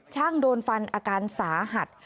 ช่างโดนฟันอาการสาหัส